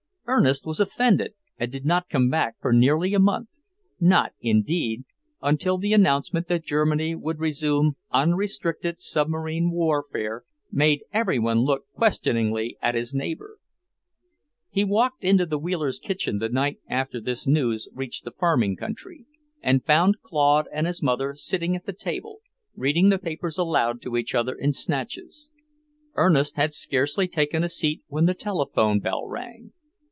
Ernest was offended and did not come back for nearly a month not, indeed, until the announcement that Germany would resume unrestricted submarine warfare made every one look questioningly at his neighbour. He walked into the Wheelers' kitchen the night after this news reached the farming country, and found Claude and his mother sitting at the table, reading the papers aloud to each other in snatches. Ernest had scarcely taken a seat when the telephone bell rang.